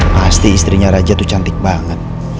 pasti istrinya raja itu cantik banget